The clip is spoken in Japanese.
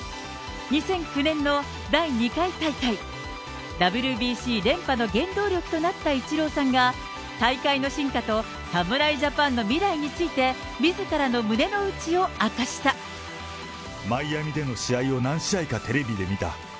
２００９年の第２回大会、ＷＢＣ連覇の原動力となったイチローさんが、大会の進化と侍ジャパンの未来について、マイアミでの試合を何試合かテレビで見た。